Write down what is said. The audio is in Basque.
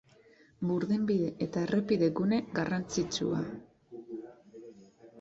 Burdinbide eta errepide gune garrantzitsua.